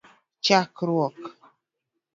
chakruok